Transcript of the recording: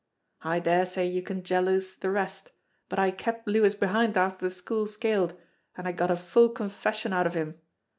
I daresay you can jalouse the rest, but I kept Lewis behind after the school skailed, and got a full confession out of him.